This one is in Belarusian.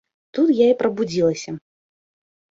Тут я і прабудзілася.